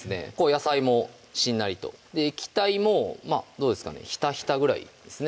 野菜もしんなりと液体もどうですかねひたひたぐらいですね